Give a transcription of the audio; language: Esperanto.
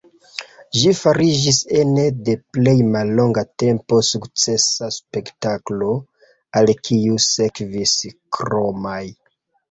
Ĝi fariĝis ene de plej mallonga tempo sukcesa spektaklo, al kiu sekvis kromaj.